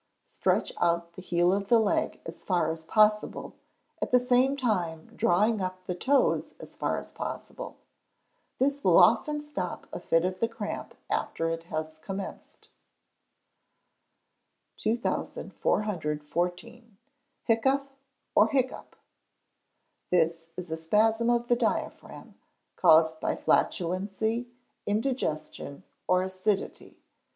Stretch out the heel of the leg as far as possible, at the same time drawing up the toes as far as possible. This will often stop a fit of the cramp after it has commenced. 2414. Hiccough or Hiccup. This is a spasm of the diaphragm, caused by flatulency, indigestion, or acidity.